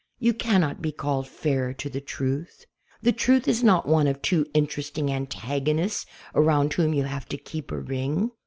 You cannot be called "fair" to the truth. The truth is not one of two interesting antago nists around whom you have to keep a ring.